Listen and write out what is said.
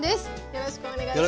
よろしくお願いします。